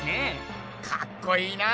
かっこいいな！